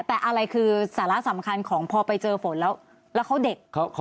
แต่อะไรคือสาระสำคัญของพอไปเจอฝนแล้วเขาเด็ก